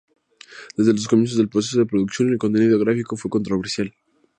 Desde los comienzos del proceso de producción, el contenido gráfico fue controversial.